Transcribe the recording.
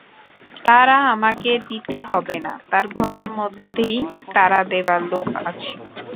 তাড়া আমাকে দিতে হবে না, তার ঘরের মধ্যেই তাড়া দেবার লোক আছে।